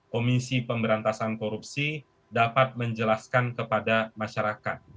komisi pemberantasan korupsi dapat menjelaskan kepada masyarakat